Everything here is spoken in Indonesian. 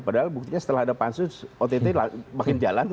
padahal buktinya setelah ada pansus ott makin jalan